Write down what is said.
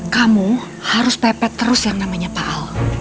kamu harus pepet terus yang namanya pak al